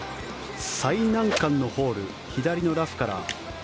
最難関のホール、左のラフから。